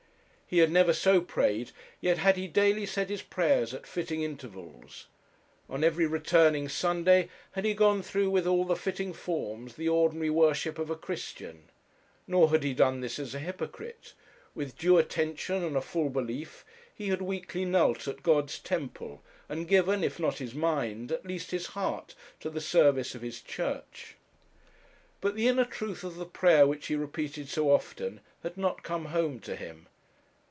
He had never so prayed yet had he daily said his prayers at fitting intervals. On every returning Sunday had he gone through, with all the fitting forms, the ordinary worship of a Christian. Nor had he done this as a hypocrite. With due attention and a full belief he had weekly knelt at God's temple, and given, if not his mind, at least his heart, to the service of his church. But the inner truth of the prayer which he repeated so often had not come home to him.